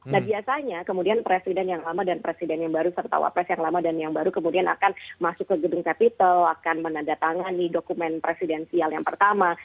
nah biasanya kemudian presiden yang lama dan presiden yang baru serta wapres yang lama dan yang baru kemudian akan masuk ke gedung capital akan menandatangani dokumen presidensial yang pertama